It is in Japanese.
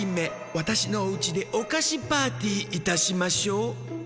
わたしのおうちでおかしパーティーいたしましょう！」。